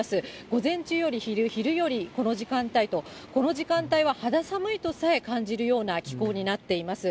午前中より昼、昼よりこの時間帯と、この時間帯は肌寒いとさえ感じるような気候になっています。